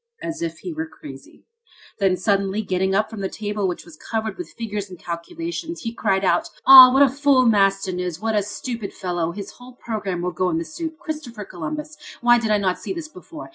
as if he were crazy. Then, suddenly getting up from the table, which was covered with figures and calculations, he cried out: "Ah! What a fool Maston is! what a stupid fellow! His whole problem will go in the soup! Christopher Columbus! Why did I not see this before?